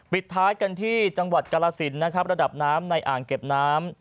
ปิดท้ายกันที่จังหวัดกรสินนะครับระดับน้ำในอ่างเก็บน้ำ